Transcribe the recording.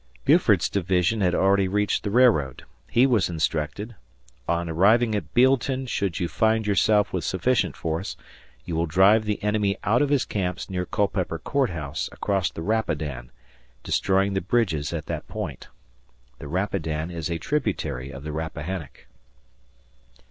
Buford's division had already reached the railroad. He was instructed: "On arriving at Bealeton, should you find yourself with sufficient force, you will drive the enemy out of his camps near Culpeper Court House across the Rapidan, destroying the bridges at that point." The Rapidan is a tributary of the Rappahannock.